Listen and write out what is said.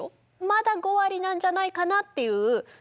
まだ５割なんじゃないかなっていうところの。